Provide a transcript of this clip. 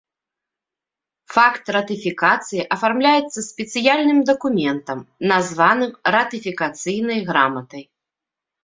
Факт ратыфікацыі афармляецца спецыяльным дакументам, названым ратыфікацыйнай граматай.